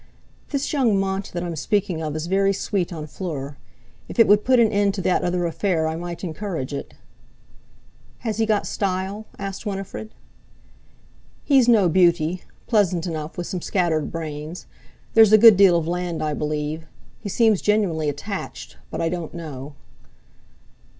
"This young Mont that I'm speaking of is very sweet on Fleur. If it would put an end to that other affair I might encourage it." "Has he got style?" asked Winifred. "He's no beauty; pleasant enough, with some scattered brains. There's a good deal of land, I believe. He seems genuinely attached. But I don't know."